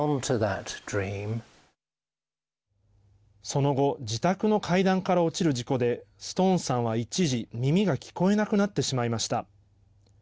その後自宅の階段から落ちる事故でストーンさんは一時、耳が聞こえなくなってしまいました。